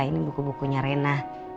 ini buku bukunya rena